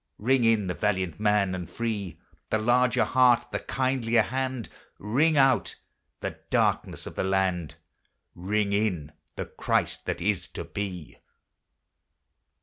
Ring in the valiant man and free, The larger heart, the kindlier hand; Ring out the darkness of the land — Ring in the Christ that is to he.